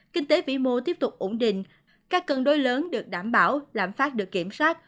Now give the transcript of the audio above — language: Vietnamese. kinh tế vĩ mô tiếp tục ổn định các cân đối lớn được đảm bảo lãm phát được kiểm soát